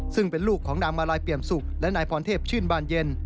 ซึ่งเป็นลูกของนางมาลัยเปี่ยมสุกและนายพรเทพชื่นบานเย็น